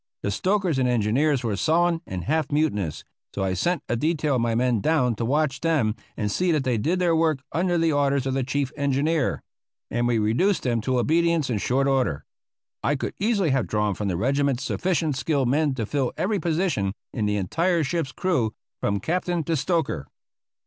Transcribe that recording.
The stokers and engineers were sullen and half mutinous, so I sent a detail of my men down to watch them and see that they did their work under the orders of the chief engineer; and we reduced them to obedience in short order. I could easily have drawn from the regiment sufficient skilled men to fill every position in the entire ship's crew, from captain to stoker.